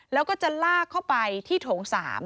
แล้วก็จะลากเข้าไปที่โถง๓